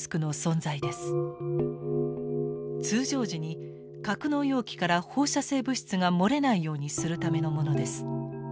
通常時に格納容器から放射性物質が漏れないようにするためのものです。